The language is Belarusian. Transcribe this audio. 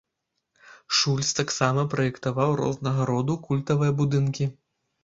Шульц таксама праектаваў рознага роду культавыя будынкі.